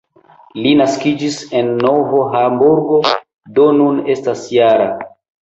Li naskiĝis en Novo Hamburgo, do nun estas -jara.